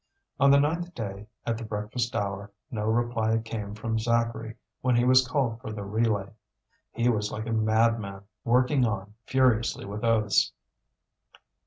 On the ninth day, at the breakfast hour, no reply came from Zacharie when he was called for the relay. He was like a madman, working on furiously with oaths.